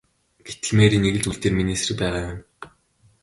Гэтэл Мэри нэг л зүйл дээр миний эсрэг байгаа юм.